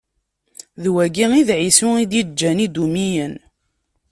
D wagi i d Ɛisu i d-iǧǧan Idumiyen.